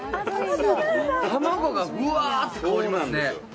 卵がぶわって香りますね。